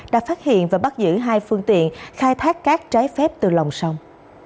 đã phát hiện và bắt giữ hai phương tiện khai thác cát trái phép từ lòng sông